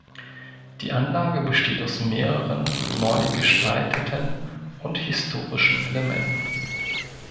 Die Anlage besteht aus mehreren neu gestalteten und historischen Elementen.